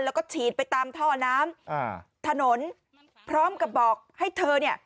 แล้วก็ฉีดไปตามท่อน้ำอ่าถนนพร้อมกับบอกให้เธอเนี่ย